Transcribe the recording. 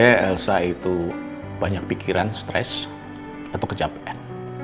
jangan sampai elsa itu banyak pikiran stress atau kecapekan